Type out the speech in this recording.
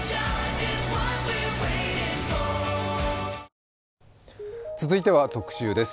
東芝続いては特集です。